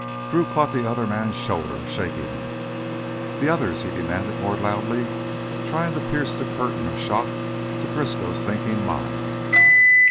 Drew caught the other's shoulder, shaking him. "The others!" he demanded more loudly, trying to pierce the curtain of shock to Driscoll's thinking mind.